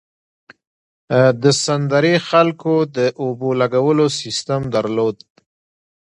د سند درې خلکو د اوبو لګولو سیستم درلود.